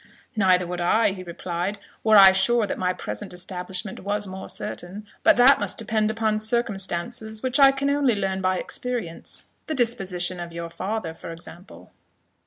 "Neither would I," he replied, "were I sure that my present establishment was more certain; but that must depend upon circumstances which I can only learn by experience the disposition of your father, for example."